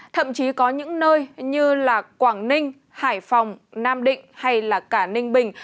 thậm chí có những nơi như quảng ninh hải phòng nam định hay là cả ninh bình